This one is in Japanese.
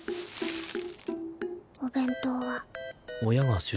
お弁当は？